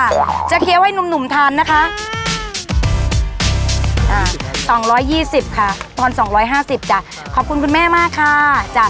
อ่าสองร้อยยี่สิบค่ะตอนสองร้อยห้าสิบจ้ะขอบคุณคุณแม่มากค่ะจ้ะ